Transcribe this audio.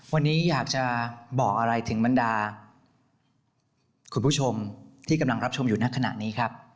วันนี้อยากจะบอกอะไรถึงบรรดาคุณผู้ชมที่กำลังรับชมอยู่ในขณะนี้ครับ